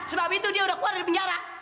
sebab itu dia udah keluar dari penjara